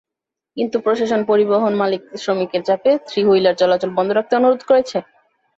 কিন্তু প্রশাসন পরিবহন মালিক-শ্রমিকের চাপে থ্রি-হুইলার চলাচল বন্ধ রাখতে অনুরোধ করছে।